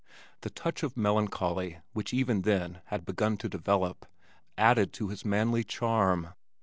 The touch of melancholy which even then had begun to develop, added to his manly charm.